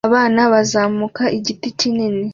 Abana bazamuka igiti kinini